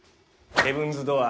ヘブンズ・ドアー。